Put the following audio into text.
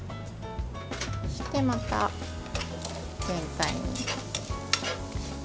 そしてまた、全体に。